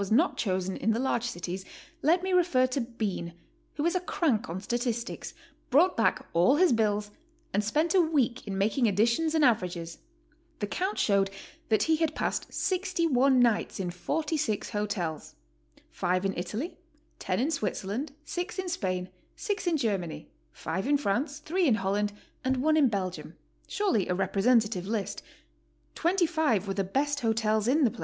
was not chosen in the large cities,' let me refer to Bean, who is a crank on statistics, brought back all his bills, and spent a week in making additions and averages. The count showed that he had passed 61 nights in 46 hotels, — 5 in Italy, 10 in Switzerland. 6 in Spain, 6 in Germany, 5 in France, 3 in Holland and i in Belgium, — surely a representative list; 25 were the best hotels in the 130 GOING ABROAD?